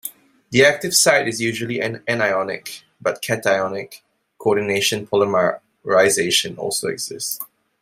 The active site is usually anionic but cationic coordination polymerization also exists.